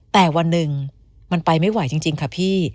แต่วันหนึ่งมันไปไม่ไหวจริงค่ะพี่